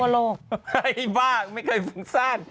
หล่าเอียบ้าไม่เคยฟุ้งซ่าน